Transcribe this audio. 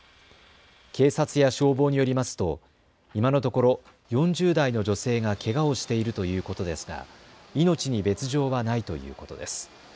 警察や消防によりますと今のところ、４０代の女性がけがをしているということですが命に別状はないということです。